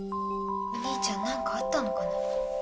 お兄ちゃん何かあったのかな？